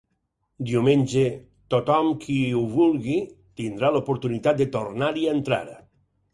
Diumenge, tothom qui ho vulgui tindrà l’oportunitat de tornar-hi a entrar.